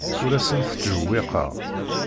Ur asent-ttjewwiqeɣ.